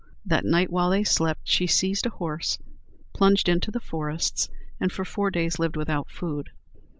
That night, while they slept, she seized a horse, plunged into the forests, and for four days lived without food.